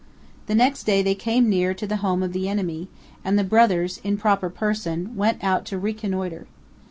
The next day they came near to the home of the enemy, and the brothers, in proper person, went out to reconnoiter.